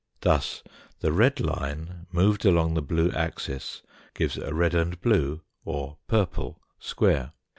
Thus the red line moved along the blue axis gives a red and blue or purple square.